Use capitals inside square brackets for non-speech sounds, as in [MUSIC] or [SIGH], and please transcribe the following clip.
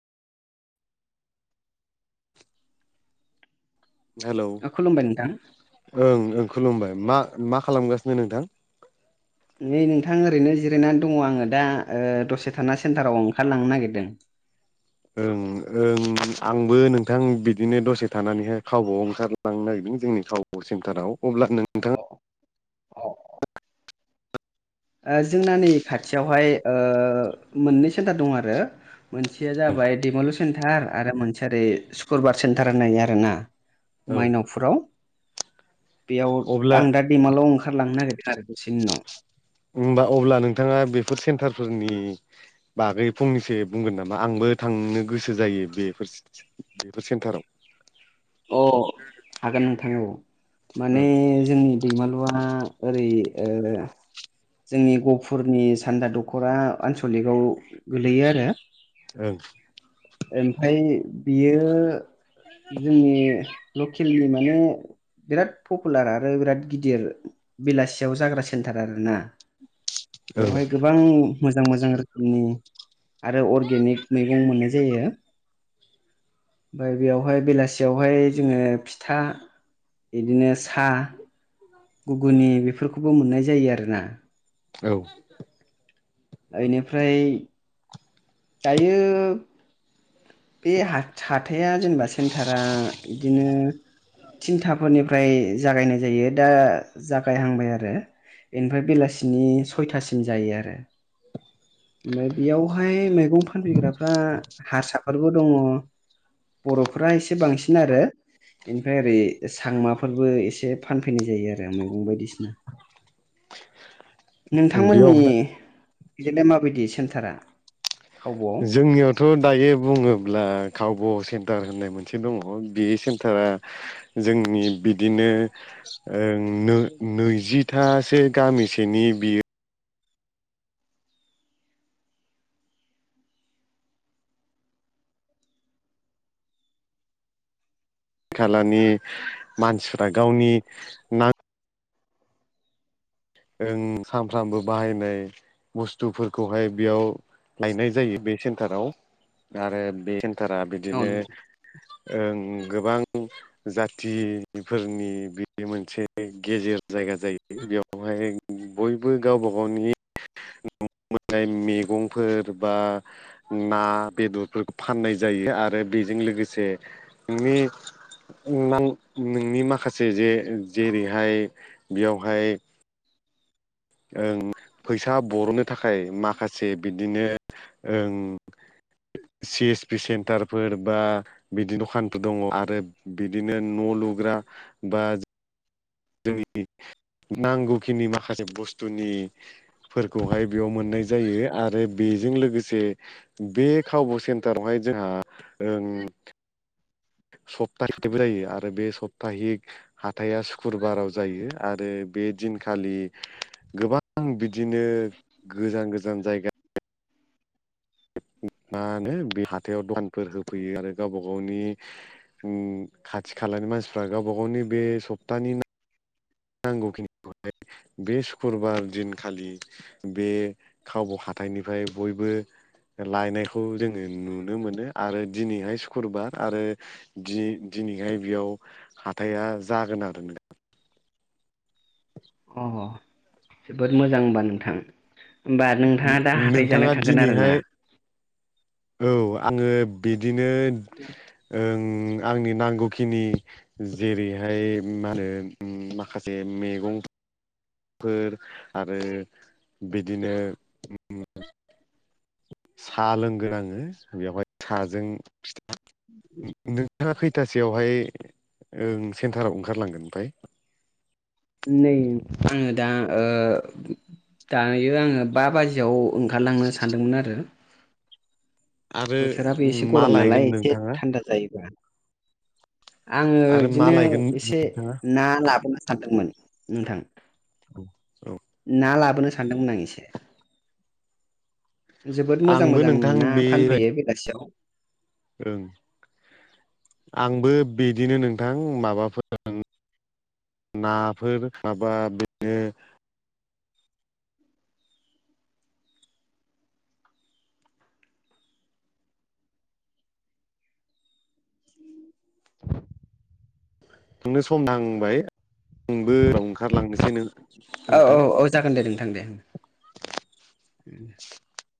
[UNINTELLIGIBLE] Hello खुलुमबाय नोंथां ओं ओं खुलुमबाय मा मा खालामगासिनो नोंथां? नै नोंथां ओरैनो जिरायनानै दङ आङो दा दसे थाना सेन्टाराव ओंखारलांनो नागिरदों। ओं ओं आंबो नोंथां बिदिनो दसे थानानैहाय खावबुवाव ओंखारला लांनो नागिरदों जोंनि खाब सेन्टाराव अब्ला नोंथाङा औ। जोंना नै खाथियावहाय ओ मोननै सेन्टार दङ आरो। मोनसेया जाबाय दैमालु सेन्टार आरो मोनसेया ओरै सुक्रबार सेन्टार होननाय आरो ना। औ मायनावपुराव बेयाव अब्ला आं दा दैमालुवाव ओंखारलांनो नागिरदों आरो दसेनि उनाव। होनबा अब्ला नोंथाङा बेफोर सेन्टारफोरनि बागै फंनैसो बुंगोन नामा आंबो थांनो गोसो जायो बेफोर बेफोर सेन्टाराव अ हागोन नोंथां औ माने ओं जोंनि दैमालुआ ओरै ओ जोंनि गफुरनि सान्दा दख'रा आनसलिकाव गोलैयो आरो। [UNINTELLIGIBLE] ओमफ्राय बियो जोंनि लकेलनि माने बिराद पपुलार आरो बिराद गिदिर बेलासियाव जाग्रा सेन्टार आरो ना। ओं बेवहाय गो गोबां मोजां मोजां रोखोमनि आरो अरगेनिक मैगं मोननाय [UNINTELLIGIBLE] नै बेयावहाय बेलासियावहाय जोङो फिथा बिदिनो साह गुगुनि बेफोरखौबो मोननाय जायो आरोना। औ। बेनिफ्राय दायो बे हा-हाथाया जेनेबा सेन्टारा बिदिनो थिनथाफोरनिफ्राय जागायनाय जायो दा जागायहांबाय आरो। बेनिफ्राय बेलासिनि सयथासिम जायो आरो। ओमफाय बेयावहाय मैगं फानफैग्राफ्रा हारसाफोरबो दङ। बर'फोरा एसे बांसिन आरो। बेनिफ्राय ओरै सांमाफोरबो एसे फानफैनाय जायो आरो मैगं बायदिसिना। बेयाव नोंथांमोननि बेजोंलाय माबायदि सेन्टारा? खावब'आव जोंनियाव थ' दायो बुङोब्ला कावब' सेन्टार होननाय मोनसे दङ बे सेन्टारा जोंनि बिदिनो ओ नो-नैजिथासो गामिसोनि बियो खालानि मानसिफ्रा गावनि ना ओं सानफ्रामबो बाहायनाय बुस्थुफोरखौहाय बेयाव लायनाय जायो बे सेन्टाराव आरो बे थारा औ बिदिनो नंगौ ओ गोबां जाथिफोरनि बे मोनसे गेजेर जायगा जायो बेयाव बहाय बयबो गावबा गावनि नआव मोननाय मैगंफोर बा ना बेदरफोरखौ फाननाय जायो आरो बेजों लोगोसे न'नि ओ नों नोंनि माखासे जे-जेरैहाय बेयावहाय ओं फैसा बर'नो थाखाय माखासे बिदिनो ओं सि एस पि सेन्टारफोर बा बिदि दखानफोर दङ आरो बिदिनो न' लुग्रा बा जोंनि नांगौखिनि माखासे बुस्थुनि फोरखौहाय बेयाव मोननाय जायो आरो बेजों लोगोसे बे खाबु सेन्टारावहाय जोंहा ओं सप्ता [UNINTELLIGIBLE] जायो आरो बे सप्ताहिक हाथाया सुक्रुबाराव जायो आरो बे दिनखालि गोबां बिदिनो गोजान गोजान जायगा मा होनो बे हाथायाव दखानफोर होफैयो आरो गावबा गावनि उम खाथि खालानि मानसिफ्रा गावबा गावनि बे सप्तानि नांगौखिनिखौहाय बे सुक्रुबार दिनखालि बे खावब' हाथाइनिफ्राय बयबो लायनायखौ जोङो नुनो मोनो आरो दिनैहाय सुक्रुबार आरो दि-दिनैहाय बेयाव हाथाया जागोन आरो नों [INAUDIBLE] अ जोबोद मोजां होनबा नोंथां। होमबा नोंथाङा दा हाथाय जानाय नोंथाङा थांगोन आरोना? दिनैहाय औ आङो बेदिनो आंनि नांगौखिनि जेरैहाय मा होनो माखासे मेगं फोर आरो बिदिनो साहा लोंगोन आङो बेयावहाय साजों फिथा [INAUDIBLE] नोंथाङा खैथासोयावहायओ सेन्टाराव ओंखारलांगोन ओमफ्राय? नै आङो दा ओ दायो आङो बा बाजियाव ओंखारलांनो सानदोंमोन आरो। आरो बोथोराबो एसे मा गरम लायगोन नालाय एसे नोंथाङा थान्दा जायोबा आङो आरो मा बिदिनो लायगोन एसे नोंथाङा ना लाबोनो सानदोंमोन नोंथां औ औ ना लाबोनो सानदोंमोन आं एसे जोबोद मोजां आंबो मोजां नोंथां ना बेबायदि फानफैयो बेलासियाव ओं आंबो बिदिनो नोंथां माबाफोर नाफोर थाबा बिदिनो थांनो सम नांबाय आंबो उनाव ओंखारलांनोसै नो औ औ औ जागोन दे नोंथां दे दे